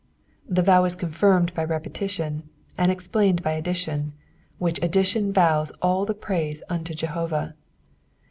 '^ The vow is confirmed by repetition, and explained b; addition, vrliich addition vows all the praise unto Jehovah.